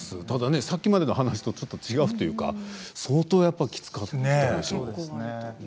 たださっきまでの話と違うというか、相当きつかったんですね。